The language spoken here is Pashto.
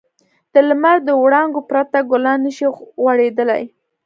د لمر د وړانګو پرته ګلان نه شي غوړېدلی.